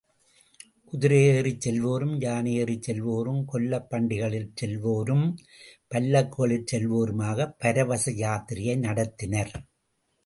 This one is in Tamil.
குதிரையேறிச் செல்வோரும் யானையேறிச் செல்வோரும் கொல்லப் பண்டிகளிற் செல்வோரும் பல்லக்குகளிற் செல்வோருமாகப் பரவச யாத்திரையை நடத்தினர்.